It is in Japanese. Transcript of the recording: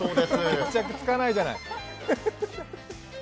決着つかないじゃない。